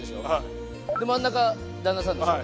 で真ん中旦那さんでしょ？